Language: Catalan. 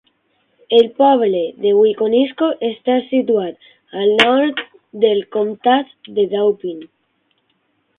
El poble de Wiconisco està situat al nord del comptat de Dauphin.